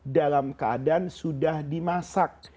dalam keadaan sudah dimakan